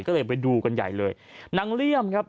ก็เลยไปดูกันใหญ่เลยนางเลี่ยมครับ